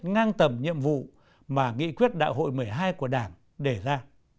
ngang tầm nhiệm vụ mà nghị quyết đại hội một mươi hai của đảng đề ra